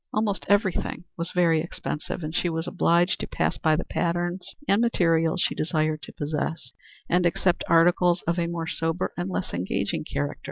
Almost every thing was very expensive, and she was obliged to pass by the patterns and materials she desired to possess, and accept articles of a more sober and less engaging character.